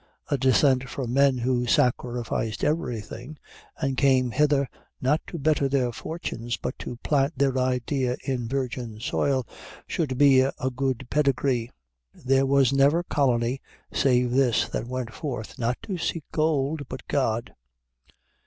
A descent from men who sacrificed everything and came hither, not to better their fortunes, but to plant their idea in virgin soil, should be a good pedigree. There was never colony save this that went forth, not to seek gold, but God.